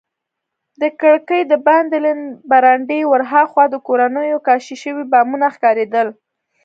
د کړکۍ دباندې له برنډې ورهاخوا د کورونو کاشي شوي بامونه ښکارېدل.